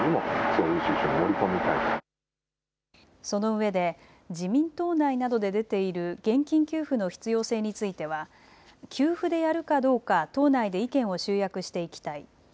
そのうえで自民党内などで出ている現金給付の必要性については給付でやるかどうか党内で意見を集約していきたい。